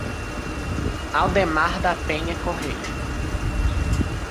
Aldemar da Penha Correia